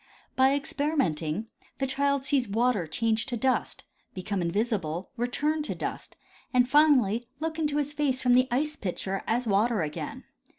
By experimenting the child sees water changed to dust, become invisible, return to dust, and, finally, look into his face from the ice pitcher as water again.